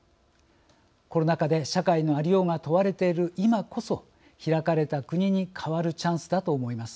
コロナ禍で社会の在りようが問われている今こそ開かれた国に変わるチャンスだと思います。